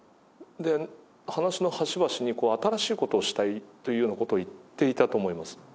で話の端々にこう新しい事をしたいというような事を言っていたと思います。